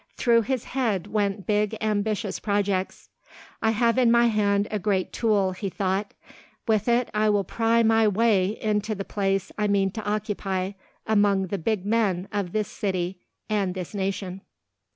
Through his head went big ambitious projects. "I have in my hand a great tool," he thought; "with it I will pry my way into the place I mean to occupy among the big men of this city and this nation."